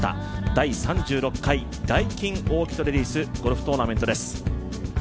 第３６回ダイキンオーキッドレディスゴルフトーナメントです。